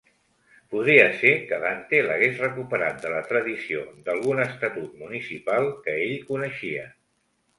Podria ser que Dante l'hagués recuperat de la tradició d'algun estatut municipal que ell coneixia.